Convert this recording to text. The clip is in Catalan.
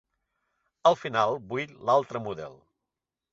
Al final vull l'altre model.